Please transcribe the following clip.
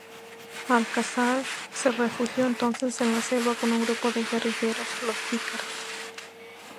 Alcázar se refugió entonces en la selva con un grupo de guerrilleros, Los Pícaros.